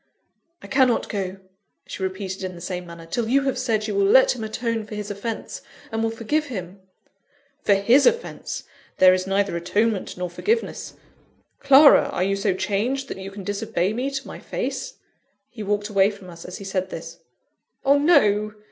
"I cannot go," she repeated in the same manner, "till you have said you will let him atone for his offence, and will forgive him." "For his offence there is neither atonement nor forgiveness. Clara! are you so changed, that you can disobey me to my face?" He walked away from us as he said this. "Oh, no!